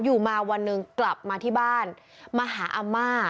อยู่มาวันหนึ่งกลับมาที่บ้านมาหาอาม่า